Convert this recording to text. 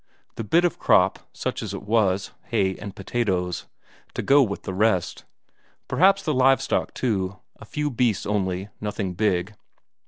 The bit of crop, such as it was, hay and potatoes, to go with the rest. Perhaps the live stock too; a few beasts only, nothing big.